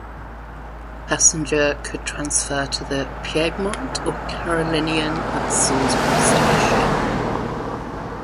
Passenger could transfer to the "Piedmont" or "Carolinian" at Salisbury station.